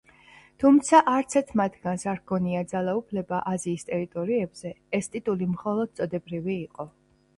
თუმცა არცერთ მათგანს არ ჰქონია ძალაუფლება აზიის ტერიტორიებზე, ეს ტიტული მხოლოდ წოდებრივი იყო.